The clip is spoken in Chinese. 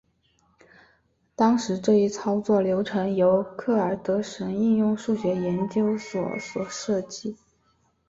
当时这一操作流程由克尔德什应用数学研究所所设计。